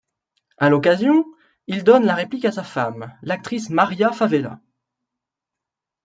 À l'occasion, il donne la réplique à sa femme, l’actrice Maria Favella.